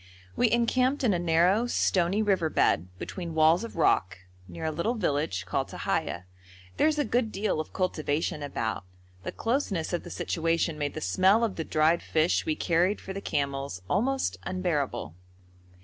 We encamped in a narrow, stony river bed, between walls of rock, near a little village called Tahiya. There is a good deal of cultivation about. The closeness of the situation made the smell of the dried fish we carried for the camels almost unbearable.